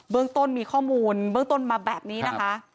เรื่องต้นมีข้อมูลเบื้องต้นมาแบบนี้นะคะ